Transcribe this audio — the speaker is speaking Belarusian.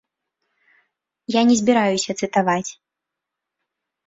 Я не збіраюся цытаваць.